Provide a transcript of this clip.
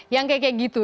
yang seperti itu